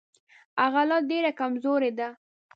هغه لا ډېره کمزورې ده.